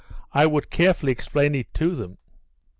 "I would carefully explain it to them."